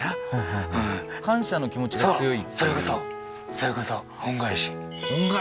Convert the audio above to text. そういうこと恩返し